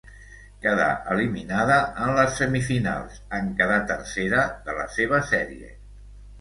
Quedà eliminada en les semifinals en quedar tercera de la seva sèrie.